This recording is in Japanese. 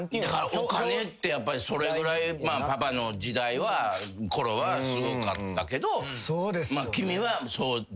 お金ってそれぐらいパパのころはすごかったけど。